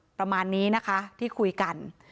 ประมาณนี้นะคะที่คุยกัน